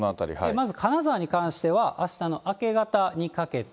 まず金沢に関しては、あしたの明け方にかけて。